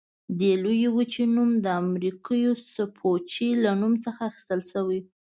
دې لویې وچې نوم د امریکو سپوچي له نوم څخه اخیستل شوی.